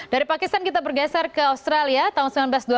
dari pakistan kita bergeser ke australia tahun seribu sembilan ratus dua puluh